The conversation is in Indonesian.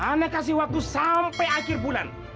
anda kasih waktu sampai akhir bulan